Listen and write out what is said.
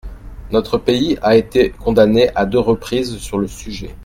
Notre pays a été condamné à deux reprises sur le sujet.